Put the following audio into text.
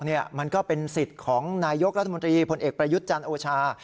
มันก็เป็นสิทธิ์ของนายกรัฐมนตรีพลเอกประยุทธ์จันทร์โอชา